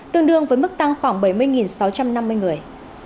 tương đương với mức tăng khoảng bảy mươi sáu trăm năm mươi người